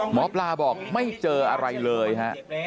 หมอปลาบอกไม่เจออะไรเลยฮะ